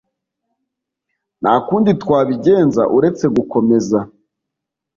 nta kundi twabigenza uretse gukomeza